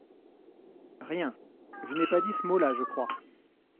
Rien ; je n’ai pas dit ce mot-là, je crois.